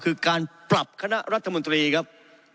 คือการปรับคณะรัฐมนตรีครับ